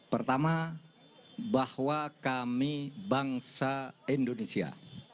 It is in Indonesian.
pertama bahwa kami bangsa indonesia